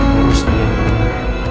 berhenti lihat dia